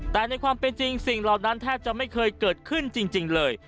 แต่ในความเป็นจริงสิ่งเหล่านั้นแทบจะไม่เคยเกิดขึ้นจริงเลย